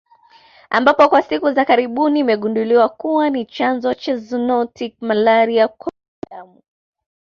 Ambapo kwa siku za karibuni imegunduliwa kuwa ni chanzo cha zoonotic malaria kwa binadamu